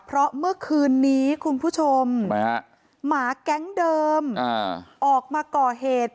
เพราะเมื่อคืนนี้คุณผู้ชมหมาแก๊งเดิมออกมาก่อเหตุ